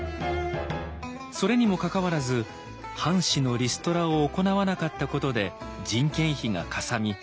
それにもかかわらず藩士のリストラを行わなかったことで人件費がかさみ